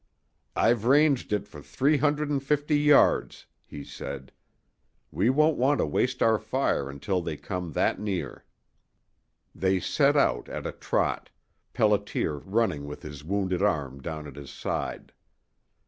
"I've ranged it for three hundred and fifty yards," he said. "We won't want to waste our fire until they come that near." They set out at a trot, Pelliter running with his wounded arm down at his side.